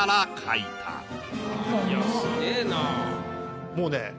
いやすげぇな。